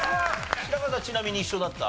白河さんちなみに一緒だった？